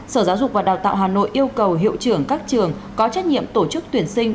sở giáo dục và đào tạo hà nội yêu cầu hiệu trưởng các trường có trách nhiệm tổ chức tuyển sinh